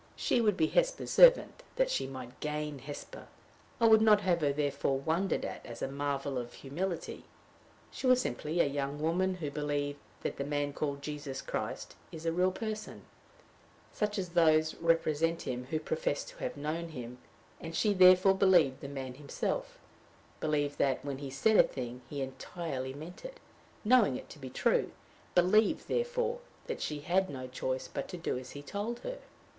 She would be Hesper's servant that she might gain Hesper. I would not have her therefore wondered at as a marvel of humility. She was simply a young woman who believed that the man called Jesus Christ is a real person, such as those represent him who profess to have known him; and she therefore believed the man himself believed that, when he said a thing, he entirely meant it, knowing it to be true; believed, therefore, that she had no choice but do as he told her.